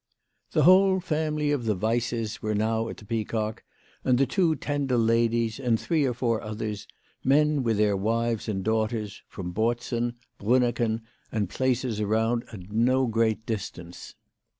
The whole family of the Weisses were now at the Peacock, and the two Tendel ladies and three or four others, men with their wives and daughters, from Botzen, Brunecken, and places around at no great distance.